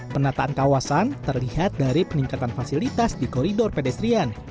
penataan kawasan terlihat dari peningkatan fasilitas di koridor pedestrian